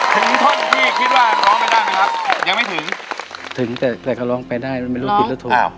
ถึงท่อนที่คิดว่าร้องไปได้มั้ยครับ